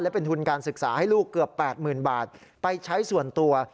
เป็นทุนการศึกษาให้ลูกเกือบ๘๐๐๐บาทไปใช้ส่วนตัว